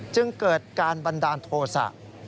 จึงเกิดการบันดาลโทษะ